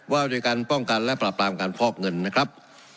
ว่าโดยการป้องกันและปราบรามการฟอกเงินนะครับ